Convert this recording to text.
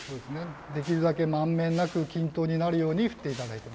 できるだけ満遍なく均等になるように振って頂いてます。